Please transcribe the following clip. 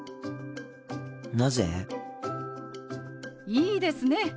なぜ？いいですね。